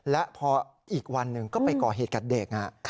และพออีกวันหนึ่งก็ไปก่อเหตุกับเด็ก